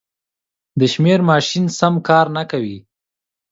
د شمېر ماشین سم کار نه کوي.